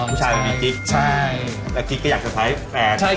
เพราะไม่รู้ว่าเขาเลย